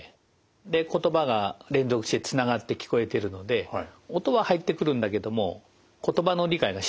で言葉が連続してつながって聞こえてるので音は入ってくるんだけども言葉の理解がしにくくなってるんですよね。